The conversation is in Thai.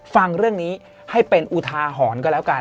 ฟังเรื่องนี้ให้เป็นอุทาหรณ์ก็แล้วกัน